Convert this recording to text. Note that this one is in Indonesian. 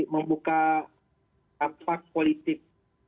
membuka atas politik